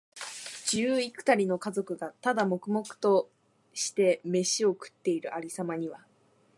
十幾人の家族が、ただ黙々としてめしを食っている有様には、